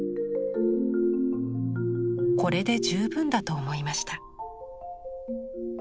これで充分だと思いました。